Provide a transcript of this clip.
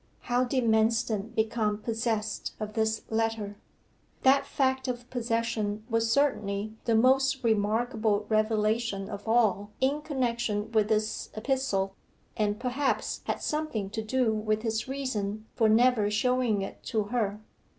How did Manston become possessed of this letter? That fact of possession was certainly the most remarkable revelation of all in connection with this epistle, and perhaps had something to do with his reason for never showing it to her.